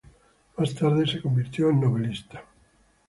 Más tarde se convirtió en novelista.